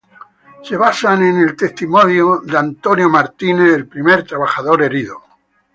Se basan en el testimonio de William Foy, el primer trabajador herido.